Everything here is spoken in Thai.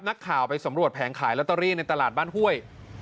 นักข่าวไปสำรวจแผงขายลอตเตอรี่ในตลาดบ้านห้วย